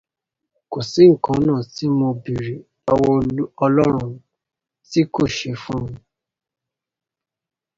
Kò sí nǹkan tí mo bèèrè lọ́wọ́ ọlọ́run tí kìí ṣe fún mi.